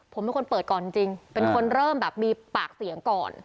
ผมเป็นคนเปิดก่อนจริงเป็นคนเริ่มแบบมีปากเสียงก่อน